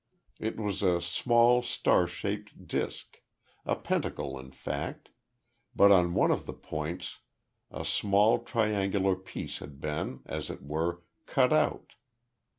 It was a small, star shaped disc a pentacle in fact but on one of the points a small, triangular piece had been, as it were, cut out.